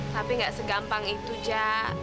tapi gak segampang itu jah